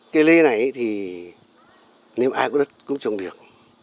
cây lê này thì nếu ai có đất cũng trồng được